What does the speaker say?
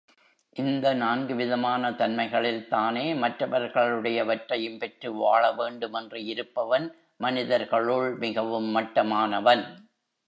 இந்த நான்கு விதமான தன்மைகளில் தானே மற்றவர்களுடையவற்றையும் பெற்று வாழ வேண்டும் என்று இருப்பவன் மனிதர்களுள் மிகவும் மட்டமானவன்.